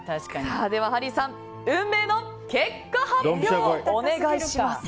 では、ハリーさん運命の結果発表お願いします。